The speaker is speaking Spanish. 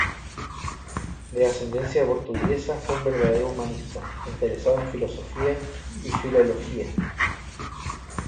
De ascendencia portuguesa, fue un verdadero humanista, interesado en filosofía y filología.